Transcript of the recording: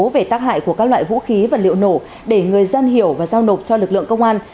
về tác hại của các loại vũ khí vật liệu nổ để người dân hiểu và giao nộp cho lực lượng công an